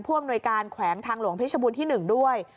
อำนวยการแขวงทางหลวงเพชรบูรณ์ที่๑ด้วย